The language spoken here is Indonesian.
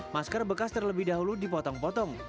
masker bekas terlebih dahulu dipotong potong